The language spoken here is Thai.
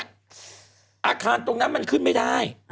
อาคารตรงนั้นมันขึ้นไม่ได้